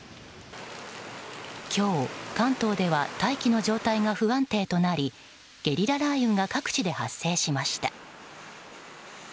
今日、関東では大気の状態が不安定となりゲリラ雷雨が各地で発生しました。